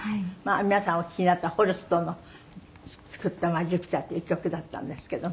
皆さんお聴きになったホルストの作った『ジュピター』っていう曲だったんですけど。